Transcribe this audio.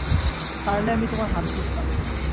পারলে আমি তোমার হাত ধরতাম।